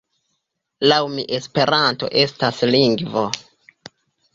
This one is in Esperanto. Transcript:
Laŭ mi Esperanto estas lingvo.